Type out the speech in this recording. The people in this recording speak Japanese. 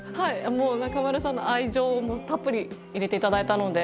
もう中丸さんの愛情をたっぷり入れていただいたので。